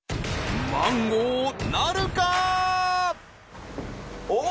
マンゴーなるか？